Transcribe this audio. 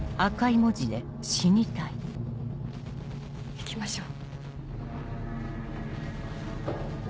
行きましょう。